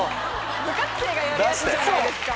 部活生がやるやつじゃないですか。